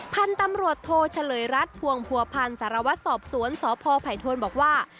พันธุ์ตำรวจโทเฉลยรัฐภวงผัวพันธ์สารวัตรสอบสวนสพไผ่ทวนบอกว่า